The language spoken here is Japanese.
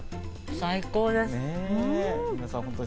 最高です。